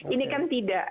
ini kan tidak